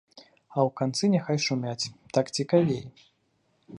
А ў канцы няхай шумяць, так цікавей!